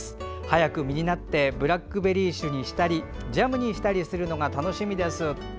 早く実になってブラックベリー酒にしたりジャムにしたりするのが楽しみです。